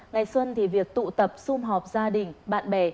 ngày xuân thì việc tụ tập xung họp gia đình bạn bè